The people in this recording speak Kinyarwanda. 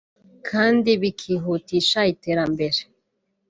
kandi bikihutisha iterambere